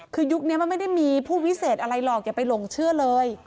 คือยุคนี้มันไม่ได้มีผู้วิเศษอะไรหรอกอย่าไปหลงเชื่อเลย